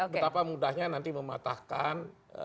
betapa mudahnya nanti mematahkan